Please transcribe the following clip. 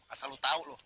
asal lu tahu lu